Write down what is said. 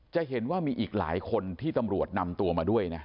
จะเห็นว่ามีอีกหลายคนที่ตำรวจนำตัวมาด้วยนะ